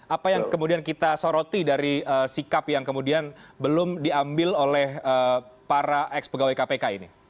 apa yang kemudian kita soroti dari sikap yang kemudian belum diambil oleh para ex pegawai kpk ini